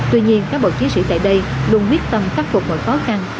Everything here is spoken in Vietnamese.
tuy nhiên các bộ chiến sĩ tại đây luôn quyết tâm khắc phục mọi khó khăn